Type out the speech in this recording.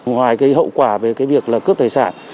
ngoài hậu quả về việc cướp tài sản